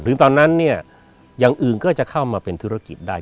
ตอนนั้นเนี่ยอย่างอื่นก็จะเข้ามาเป็นธุรกิจได้